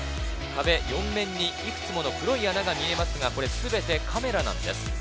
壁４面にいくつもの黒い穴が見えますが、これはすべてカメラなんです。